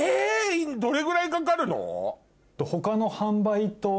どれぐらいかかるの？